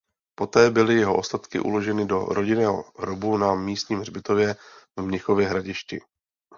Poté byly jeho ostatky uloženy do rodinného hrobu na místním hřbitově v Mnichově Hradišti.